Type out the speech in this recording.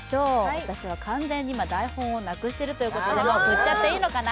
私は今、完全に台本をなくしているということでもう振っちゃっていいのかな？